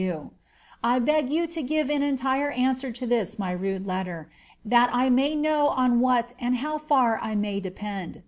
1 beg you to give an entire answer to this my rude letter, that I may know on what and how far I may depend.